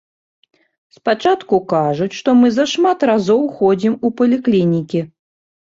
Спачатку кажуць, што мы зашмат разоў ходзім у паліклінікі.